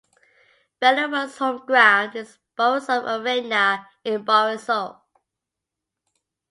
Belarus' home ground is Borisov Arena in Borisov.